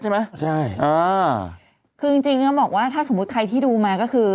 ใช่ไหมใช่อ่าคือจริงจริงต้องบอกว่าถ้าสมมุติใครที่ดูมาก็คือ